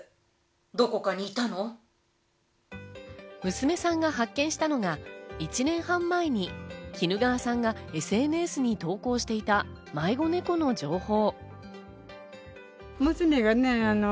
娘さんが発見したのが１年半前に衣川さんがＳＮＳに投稿していた迷子猫の情報。